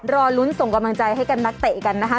รอลุ้นส่งกำลังใจให้กับนักเตะกันนะคะ